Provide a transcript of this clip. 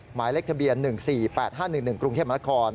หมายเลขทะเบียน๑๔๘๕๑๑กรุงเทพมนาคม